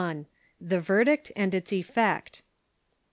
THE VERDICT AXD ITS EFFECT.